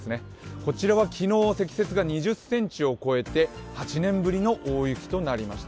こちらは昨日、積雪が２０ｃｍを超えて８年ぶりの大雪となりました。